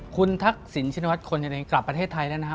คุณทักษิณชินวัฒน์คนใหญ่กลับประเทศไทยแล้วนะฮะ